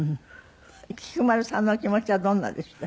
菊丸さんのお気持ちはどんなでした？